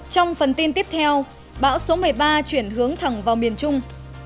trong phần tin tiếp theo bão số một mươi ba chuyển hướng thẳng vào miền trung